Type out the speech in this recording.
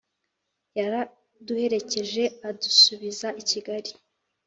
yaraduherekeje adusubiza i Kigali